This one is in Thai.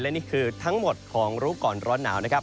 นี่คือทั้งหมดของรู้ก่อนร้อนหนาวนะครับ